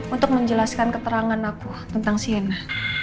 untuk menjelaskan keterangan aku tentang siana